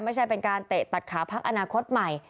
ไม่ใช่เป็นการเตะตัดขาพักอนาคตใหม่